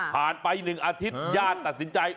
ผ่านไปหนึ่งอาทิตย์ญาติตัดสินใจ